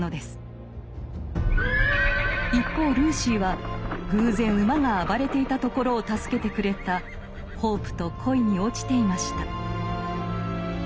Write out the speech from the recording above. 一方ルーシーは偶然馬が暴れていたところを助けてくれたホープと恋に落ちていました。